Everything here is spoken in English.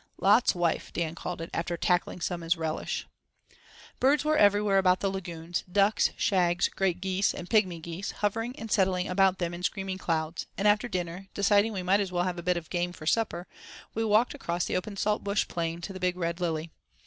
"Lot's wife," Dan called it, after "tackling some as a relish." Birds were everywhere about the lagoons—ducks, shags, great geese, and pigmy geese, hovering and settling about them in screaming clouds; and after dinner, deciding we might as well have a bit of game for supper, we walked across the open salt bush plain to the Big Red Lily.